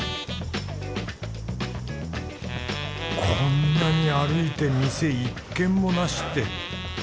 こんなに歩いて店一軒もなしって。